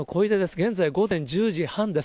現在午前１０時半です。